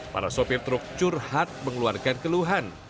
para sopir truk curhat mengeluarkan keluhan